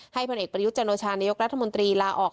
ผลเอกประยุทธ์จันโอชานายกรัฐมนตรีลาออก